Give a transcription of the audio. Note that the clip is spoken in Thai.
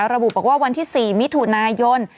ระบุบอกว่าวันที่๔มิถุนายน